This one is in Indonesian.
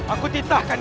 aku titahkan kepadamu